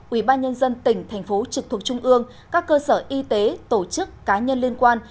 ủy ban nhân dân tỉnh thành phố trực thuộc trung ương các cơ sở y tế tổ chức cá nhân liên quan